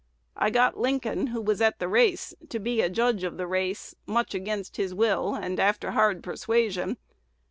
I got Lincoln, who was at the race, to be a judge of the race, much against his will and after hard persuasion.